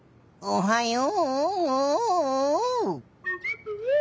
おはよう。